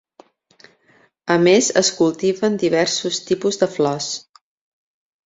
A més es cultiven diversos tipus de flors.